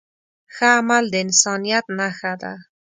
ښه عمل د انسانیت نښه ده.